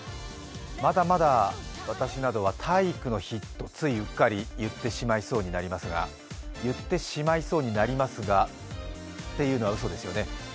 まだまだ私などは体育の日とついうっかり言ってしまいそうになりますが、言ってしまいそうになりますがっていうのはうそですよね。